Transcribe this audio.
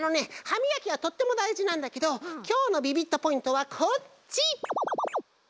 はみがきはとってもだいじなんだけどきょうのビビットポイントはこっち！